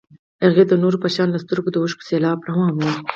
هغې د نورو په شان له سترګو د اوښکو سېلاب روان و.